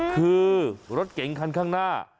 คือรถเก๋งคันข้างหน้า